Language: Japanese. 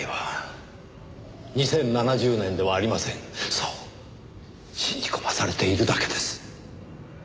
そう信じ込まされているだけです。